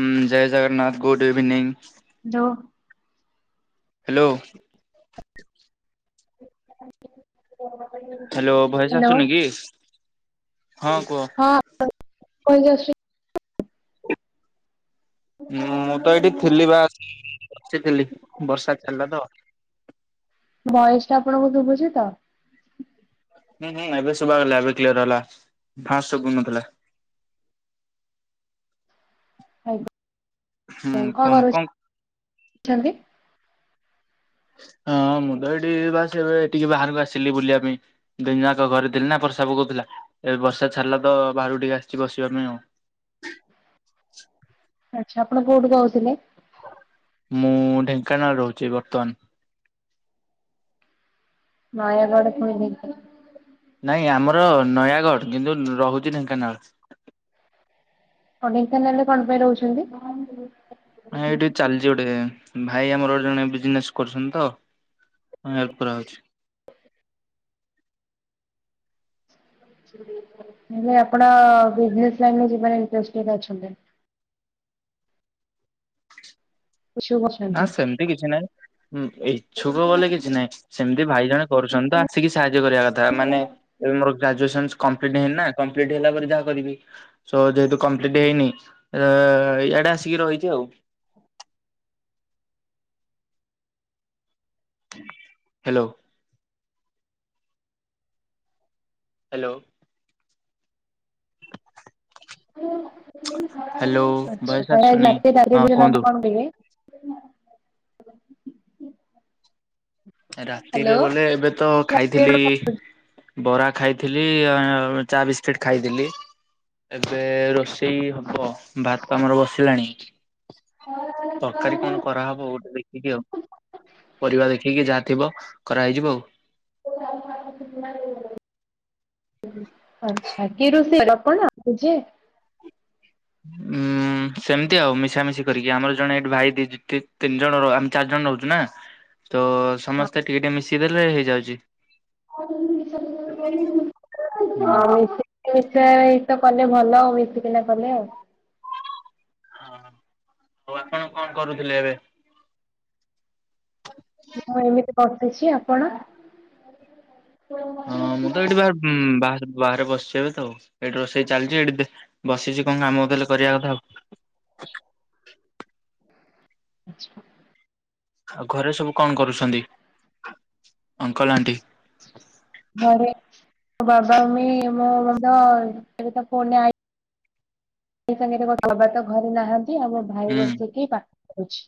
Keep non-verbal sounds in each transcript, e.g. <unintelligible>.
ଉଁ ଜୟ Jagannath good evening. ଡୋ hello hello voice hello ଆସୁନି କି? ହଁ କୁହ ହଁ <unintelligible> ଉଁ ମୁଁ ତ ଏଠି ଥିଲି ବା <unintelligible> ବସିଥିଲି ବର୍ଷା ଛାଡିଲା ତ। ବୟସଟା ଆପଣଙ୍କୁ ଶୁଭୁଛି ତ? ହୁଁ ହୁଁ ଏବେ ଶୁଭାଗଲା ଏବେ କ୍ଲିୟର ହେଲା ଫାଷ୍ଟ ସୁବୁ ନଥିଲା। ହୁଁ ଆଜ୍ଞା କଣ କୁହନ୍ତୁ କରୁ <unintelligible> ଛନ୍ତି ହଁ ମୁଁ ତ ଏଠି ବାସ ଏବେ ଟିକେ ବାହାରକୁ ଆସିଲି ବୁଲିବା ପାଇଁ। ଦିନ ଯାକ ଘରେ ଥିଲି ନା ବର୍ଷା ପକଉଥିଲା। ଏବେ ବର୍ଷା ଛାଡ଼ିଲା ତ ବାହାରୁ ଟିକେ ଆସିଛି ବସିବା ପାଇଁ ଆଉ। ଆଚ୍ଛା ଆପଣ କୋଉଠୁ କହୁଥିଲେ? ମୁଁ ଢେଙ୍କାନାଳ ରହୁଛି ବର୍ତ୍ତମାନ। ନୟାଗଡ଼ ପୁଣି ଢେଙ୍କାନାଳ। ନାଇଁ ଆମର ନୟାଗଡ଼ କିନ୍ତୁ ରହୁଛି ଢେଙ୍କାନାଳ। ହଁ ଢେଙ୍କାନାଳରେ କଣ ପାଇଁ ରହୁଛନ୍ତି? ନାଇଁ ଏଇଠି ଚାଲିଛି ଗୋଟେ ଭାଇ ଆମର ଗୋଟେ ଜଣେ ବିଜନେସ କରୁଛନ୍ତି ତ। ହେଲ୍ପ କରାହଉଛି। ହେଲେ ଆପଣ ବିଜନସ ଲାଇନ୍ ରେ <unintelligible> ପୁ <unintelligible> ନା ସେମିତି କିଛି ନାହିଁ। ହୁଁ ଇଛୁକ ବଲେ କିଛି ନାହିଁ। ସେମିତି ଭାଇ ଜଣେ କରୁଛନ୍ତି ତ ଆସିକି ସାହାଯ୍ୟ କରିବା କଥା ମାନେ ଏ ମୋର ଗ୍ରାଜୁଏସନ କମ୍ପଲିଟ ହେଇନା କମ୍ପଲିଟ ହେଲା ପରେ ଯାହା କରିବି। ସ ଯେହେତୁ କମ୍ପ୍ଲିଟ ହେଇନି ର ଇଆଡେ ଆସିକି ରହିଚି ଆଉ। ହାଲୋ। ହାଲୋ। ହ୍ୟାଲୋ ଆଚ୍ଛା ଭଏସ ଆସୁନି ହଁ କୁହନ୍ତୁ। <unintelligible> ରାତିରେ ହ୍ୟାଲୋ ବୋଲେ ଏବେ ତ ଖାଇଥିଲି ବରା ଖାଇଥିଲି ଚା ବିସ୍କିଟ୍ ଖାଇଥିଲି। ଏବେ ରୋଷେଇ ହବ ଭାତ ଆମର ବସିଲାଣି। ତରକାରୀ କଣ କରାହବ ଗୋଟେ ଦେଖିକି ଆଉ ପରିବା ଦେଖିକି ଯାହା ଥିବ। କରାହେଇଯିବ ଆଉ। <unintelligible> ଆଛା, କି ରୋଷେଇ ଆପଣ ନିଜେ। ଉଁ। ହୁଁ ସେମିତି ଆଉ ମିଶାମିଶି କରିକି ଆମର ଜଣେ ଏଠି ଭାଇ ଦି-ତି-ତିନି ଜଣ ର ଆମେ ଚାର୍ ଜଣ ରହୁଚୁ ନା। <inaudible> ତ ସମସ୍ତେ ଟିକେ ଟିକେ ମିଶିଦେଲେ ହେଇଯାଉଚି। <unintelligible> ହୁଁ। ଏଇଟା ଏଇତ କଲେ ଭଲ ଆଉ ମିଶିକିନା କଲେ ଆଉ। ହଁ ଆଉ ଆପଣ କଣ କରୁଥିଲେ ଏବେ? ମୁଁ ଏମିତି ବସିଛି ଆପଣ? ହଁ ମୁଁ ତ ଏଇଟି <unintelligible> ଉଁ ବାହାର ବାହାରେ ବସିଚି ଏବେତ ଏଇଠି ରୋଷେଇ ଚାଲିଚି ଏଇଠି ଦେ ବସିଛି କଣ କାମ ଦେଲେ କରିବା କଥା ଆଉ। ହ ଆଚ୍ଛା। ଆଉ ଘରେ ସବୁ କଣ କରୁଛନ୍ତି, ଅଙ୍କଲ ଆଣ୍ଟି? ଘରେ ବାବା ମମି <unintelligible> ଏବେ ତ ଫୋନ୍ ରେ ଆଇ <unintelligible> ବାବା ତ ଘରେ ନାହାନ୍ତି ଆଉ ମୋ ଭାଇ ହୁଁ ବସିକି ପାଠ ପଢୁଛି।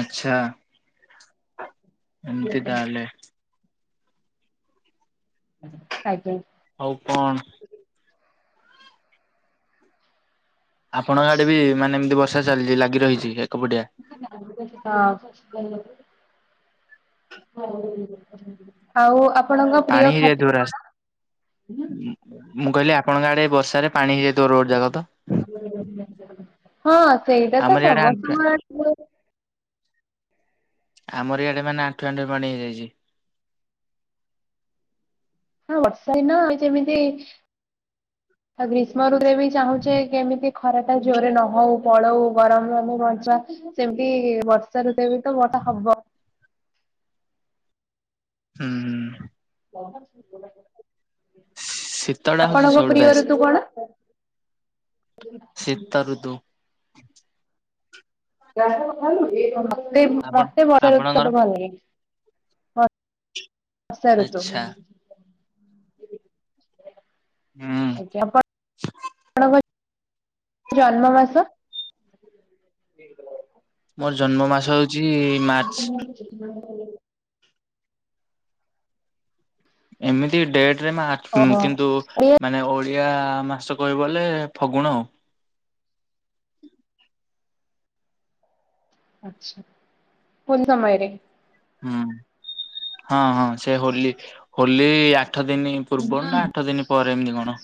ଆଛା। ଏମତି ତାହେଲେ। ଆଜ୍ଞା। ଆଉ କଣ? ଆପଣଙ୍କ ଆଡେ ବି ମାନେ ଏମିତି ବର୍ଷା ଚାଲିଚି ଲାଗି ରହିଚି ଏକପଡିଆ। ହଁ। ଆଉ ଆ ପାଣି ହେଇଯାଇଥିବ ରାସ୍ ମୁଁ କହିଲି ଆପଣଙ୍କ ଆଡେ ବର୍ଷାରେ ପାଣି ହେଇଯାଇଥିବ ରୋଡ ଜାକ ତ? ହଁ ସେଇଟା ତ ଆମର ଇଆଡେ ଆଣ୍ଠୁଏ ସମସ୍ତଙ୍କର ଆଡ଼େ ହୁଏ। ଆମର ଇଆଡେ ମାନେ ଆଣ୍ଠୁଏ ଆଣ୍ଠୁଏ ପାଣି ହେଇଯାଇଚି। ହଁ ବର୍ଷା ଦିନ ଆଉ ଯେମିତି ଆ ଗ୍ରୀଷ୍ମ ଋତୁରେ ବି ଚାହୁଁଚେ କେମିତି ଖରା ଟା ଜୋରେ ନହଉ ପଳଉ ଗରମରୁ ଆମକୁ ବଞ୍ଚା ସେମିତି ବର୍ <unintelligible> ହବ। ହୁଁ ହୁଁ। ଶୀତଟା ହଉଛି ଆପଣଙ୍କ ସବୁଠୁ ପ୍ରିୟ ବେଷ୍ଟ ଋତୁ କଣ? ଶୀତ ଋତୁ। <unintelligible> ଭଲ ଆପଣ ଆପଣଙ୍କର ଲଗେ। ବସା ଋତୁ? ଆଚ୍ଛା ହୁଁ ଆଜ୍ଞା ପା ପଣଙ୍କ ଜନ୍ମ ମାସ। ମୋର ଜନ୍ମ ମାସ ହଉଚି <unintelligible> ଏମିତି ଡେଟ ରେ ମୋ ଆ ଓହୋ କିନ୍ତୁ ମାନେ ଓଡିଆ ମାସ କହିବ ଗଲେ ଫଗୁଣ। ଆଛା କୁନ୍ ସମୟରେ। ହୁଁ ହଁ ହଁ ସେ ହୋଲି ହୋଲି ଆଠ ଦିନି ପୂର୍ବରୁ ନା ଆଠ ଦିନି ପରେ ଏମିତି କଣ।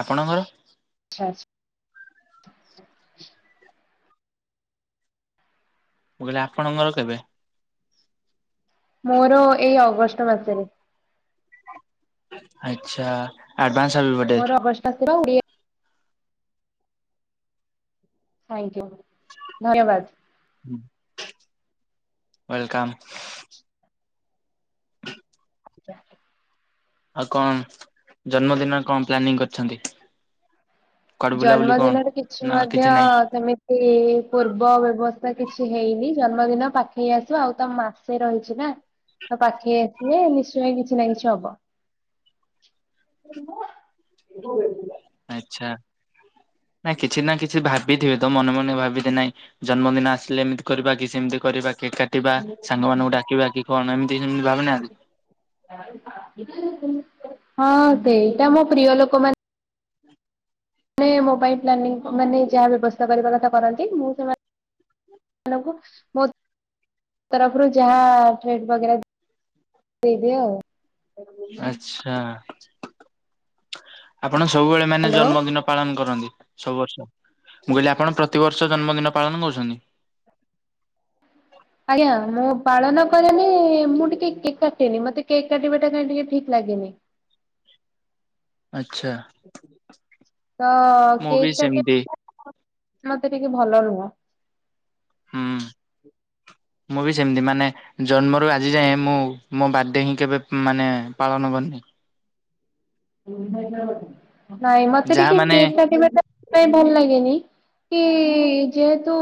ଆପଣଙ୍କର? ଆଚ୍ଛା ଆ ମୁଁ କଇଲି ଆପଣଙ୍କର କେବେ? ମୋର ଏଇ ଅଗଷ୍ଟ ମାସରେ। ଆଚ୍ଛା ଆଡଭାନ୍ସ ହାପି ବାଡେ। ମୋର ଅଗଷ୍ଟ ଶିର <unintelligible> ଥ୍ୟାଙ୍କୟୁ ଧନ୍ୟବାଦ। ୱେଲକମ୍। <unintelligible> ଆଉ କଣ ଜନ୍ମଦିନ କଣ ପ୍ଲାନିଂ କରିଛନ୍ତି? କୁଆଡେ ବୁଲାବୁଲି କଣ ଜନ୍ମଦିନରେ କିଛି ନା ମଧ୍ୟ ନାଇଁ ସେମି ଏ ପୂର୍ବ ବ୍ୟବସ୍ଥା କିଛି ହେଇନି ଜନ୍ମଦିନ ପାଖେଇ ଆସୁ ଆଉ ତ ମାସେ ରହିଛି ନା। ତ ପାଖେଇ ଆସିଲେ ନିଶ୍ଚୟ କିଛି ନା କିଛି ହବ। <unintelligible> ଆଚ୍ଛା, ନାଇଁ କିଛି ନା କିଛି ଭାବିଥିବେ ତ ମନେ ମନେ ଭାବିଥେ ନାଇ ଜନ୍ମଦିନ ଆସିଲେ ଏମିତି କରିବା କି ସେମିତି କରିବା, କି କା କଟିବା ସାଙ୍ଗମାନଙ୍କୁ ଡାକିବା କି କଣ ଏମିତି ସେମିତି <unintelligible> ହଁ ସେଇଟା ମୋ ପ୍ରିୟ ଲୋକ ମା ନେ ମୋବାଇଲ ପ୍ଲାନିଂ ମାନେ ଯାହା ବ୍ୟବସ୍ଥା କରିବା କଥା କରନ୍ତି ମୁଁ ସେମା <unintelligible> ତରଫରୁ ଯାହା ଟ୍ରିଟ ବଗେରା ଦେଇଦିଏ ଆଉ। ଆଚ୍ଛା। ଆପଣ ସବୁବେଳେ ମାନେ ହ୍ୟାଲୋ ଜନ୍ମଦିନ ପାଳନ କରନ୍ତି? ସବୁ ବର୍ଷ ମୁଁ କଇଲି ଆପଣ ପ୍ରତିବର୍ଷ ଜନ୍ମଦିନ ପାଳନ କରୁଚନ୍ତି? ଆଜ୍ଞା ମୁଁ ପାଳନ କରେନି ମୁଁ ଟିକେ କେକ୍ କାଟେନି, ମୋତେ କେକ୍ କାଟିବା ଟା କାଇଁ ଟିକେ ଠିକ୍ ଲାଗେନି। ଆଚ୍ଛା। ତ ମୁଁ ବି କେକ୍ କାଟିଆ ସେମିତି ମତେ ଟିକେ ଭଲ ନୁହଁ। ହୁଁ ମୁଁ ବି ସେମିତି ମାନେ ଜନ୍ମରୁ ଆଜି ଯାଏଁ ମୁଁ ମୋ ବାଡେ ହିଁ କେବେ ମାନେ ପାଳନ କରନି। ନାଇଁ ମତେ ଯାହା ଟିକେ ମାନେ କେକ କାଟିବା ଟା ପାଇ ଭଲ ଲାଗେନି। କି ଯେହେତୁ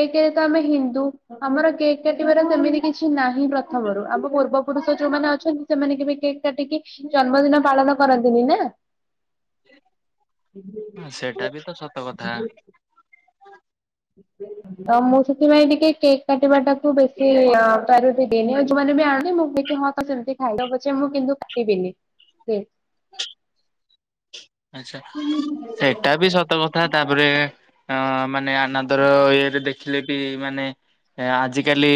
ଏକେରେ ତ ଆମେ ହିନ୍ଦୁ। ଆମର କେକ୍ କାଟିବାର ସେମିତି କିଛି ନାହିଁ ପ୍ରଥମରୁ, ଆମ ପୂର୍ବ ପୁରୁଷ ଯୋଉମାନେ ଅଛନ୍ତି। ସେମାନେ କେବେ କେକ୍ କାଟିକି ଜନ୍ମଦିନ ପାଳନ କରନ୍ତିନି ନା। ହୁଁ ସେଇଟା ବି ତ ସତ କଥା। <inaudible> ତ ମୁଁ ସେଥିପାଇଁ ଟିକେ କେକ୍ କାଟିବା ଟାକୁ ବେଶୀ ଆଁ ପ୍ରାଅରିଟି ଦିଏନି, ଯୋମାନେ ବି ଆଣେ ମୁଁ ଟିକେ ହଁ ହଁ ସେମତି ଖାଇଦିଅ ପଛେ ମୁଁ କିନ୍ତୁ କାଟିବିନି, କେକ। ଆଚ୍ଛା ସେଟା ବି ସତ କ ତଥା ତାପରେ ଅ ମାନେ ଆନାନ୍ଦର ଇଏରେ ଦେଖିଲେ ବି ମାନେ ଆଁ ଆଜିକାଲି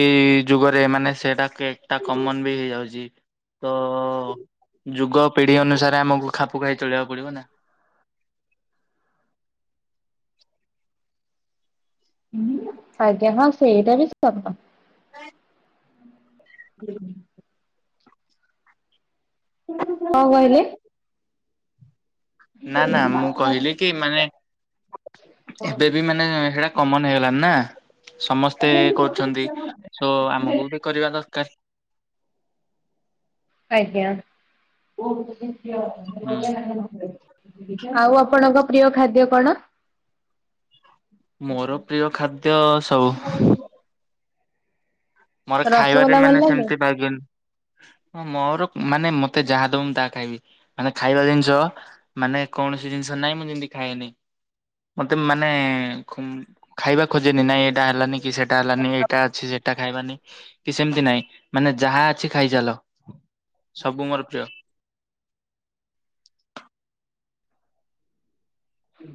ଯୁଗରେ ମାନେ ସେଇଟା କେକ୍ ଟା କମନ ବି ହେଇଯାଉଚି, ତ ଯୁଗ ପିଢ଼ି ଅନୁସାରେ ଆମକୁ ଖା ପୁ ଖାଇ ଚଳି <unintelligible> ଆଜ୍ଞା ହଁ ସେଇଟା ବି ସତ କ <inaudible> <unintelligible> କ କହିଲେ? ନା ନା ମୁଁ କହିଲି କି ମାନେ? ଏବେ ବି ମାନେ ସେଇଟା କମନ ହେଇଗଲାଣି ନା ସମସ୍ତେ କରୁଚନ୍ତି ସୋ ଆମକୁ ବି କରିବା ଦରକାର। ଆଜ୍ଞା ହୁଁ। <unintelligible> ଆଉ ଆପଣଙ୍କ ପ୍ରିୟ ଖାଦ୍ୟ କଣ? ମୋର ପ୍ରିୟ ଖାଦ୍ୟ ସ ମୋର ଖାଇବାରେ ରସଗୋଲା ଭଲ ମାନେ ଲାଗେ? ସେମିତି ପାଇ ହଁ ମୋର ମାନେ ମତେ ଯାହା ଦବ ତାହା ଖାଇବି, ମାନେ ଖାଇବା ଜିନିଷ ମାନେ କୌଣସି ଜିନିଷ ନହିଁ ମୁଁ ଯେମତି ଖାଏନି ମତେ ମାନେ ଖାଇବା ଖୋଜେନି, ଇଟା ହେଲାନି କି ସେଇଟା ହେଲାନି, ଏଇଟା ଅଛି ସେଟା ଖାଇବାନି କି ସେମତି ନାଇଁ ମାନେ ଯାହା ଅଛି ଖାଇ ଚାଲ। ସବୁ ମୋର ପ୍ରିୟ। ହୁ।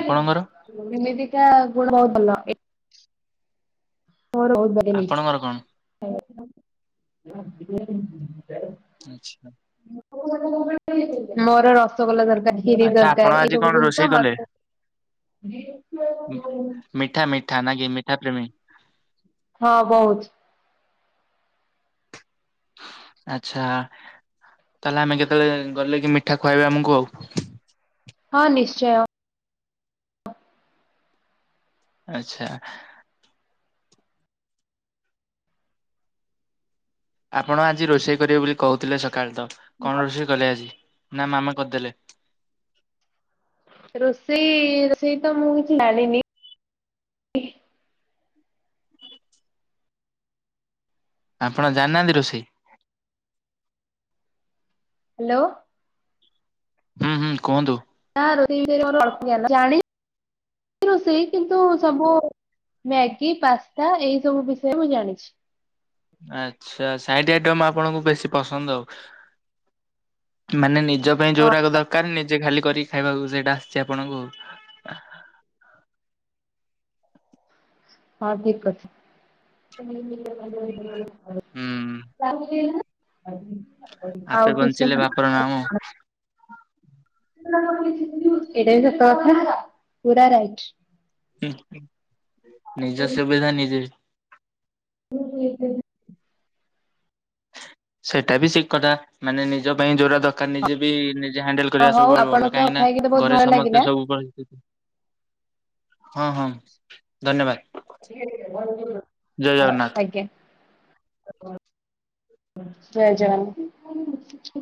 ଆପଣଙ୍କର? ନିମଦିିକ ଗୁଣ ହ <unintelligible> ଆପଣଙ୍କର <unintelligible> ଆଚ୍ଛା। ମୋର ରସଗୋଲା ଦରକାର। <unintelligible> ଆଚ୍ଛା ଆପଣ ଦରକାର। ଆଜି ଏଇସବୁ କଣ ଜିନିଷ ରୋଷେଇ କଲେ? ମତେ। <unintelligible> ମିଠା -ମିଠା ନା କି ମିଠା ପ୍ରେମୀ। ହଁ ବହୁତ। ଆଚ୍ଛା ତାହେଲେ ଆମେ କେତେବେଳେ ଗଲେ କି ମିଠା ଖୁଆଇବେ ଆମକୁ ଆଉ। ହଁ ନିଶ୍ଚୟ। ଆଛା। ଆପଣ ଆଜି ରୋଷେଇ କରିବେ ବୋଲି କହୁଥିଲେ ସକାଳେ ତ କଣ ରୋଷେଇ କଲେ ଆଜି ନା ମାମା କରିଦେଲେ? ରୋଷେଇ ରୋଷେଇ ତ ମୁଁ କିଛି ଜାଣିନି। ଆପଣ ଜାନାହାନ୍ତି ରୋଷେଇ? ହ୍ୟାଲୋ। ହୁଁ- ହୁଁ କୁହନ୍ତୁ। ନା ରୋଷେଇ ବିଷୟ ରେ ମୋର ଅଳ୍ପ ଜ୍ଞାନ। ଜାଣିଛି ରୋଷେଇ କିନ୍ତୁ ସବୁ ମ୍ୟାଗି, ପାସ୍ତା ଏଇ ସବୁ ବିଷୟ ରେ ମୁଁ ଜାଣିଛି। ଆଚ୍ଛା ସାଇଡ ଆଇଟମ୍ ଆପଣଙ୍କୁ ବେଶୀ ପସନ୍ଦ ଆଉ। ମାନେ ନିଜ ପାଇଁ ହଁ ଯୋଉରାଗ ଦରକାର ନିଜେ ଖାଲି କରିକି ଖାଇବାକୁ ସେଇଟା ଆସିଛି ଆପଣଙ୍କୁ। ହଁ ଠିକ କରିଛି। ହୁଁ ଆଉ ଆପେ କିଛି ମ। ବଞ୍ଚିଲେ ବାପର ନାମ <unintelligible> ଏଇଟା ବି ସତ କଥା ପୁରା ରାଇଟ। ନିଜ ସୁବିଧା ନିଜେ। <inaudible> ସେଇଟା ବି ଠିକ କଥା ମାନେ ନିଜ ପାଇଁ ଯୋଉଟା ଦର କାର ନିଜେ ବି ନିଜେ ହ୍ୟାଣ୍ଡେଲ କରିବା ହଉ ସବୁବେଳେ ଆପଣଙ୍କ ଭଲ। ସହ କାହିଁକି ନା କଥା ହେଇକି ତ ବହୁତ ଘରେ ଭଲ ଲାଗିଲା ସମସ୍ତେ ସବୁ ହଁ ହଁ। ଧନ୍ୟବାଦ। ଜୟ ଜଗନ୍ନାଥ। ଆଜ୍ଞା। ଜୟ ଜଗନ୍ନାଥ।